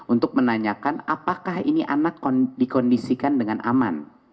untuk menanyakan apakah ini anak dikondisikan dengan aman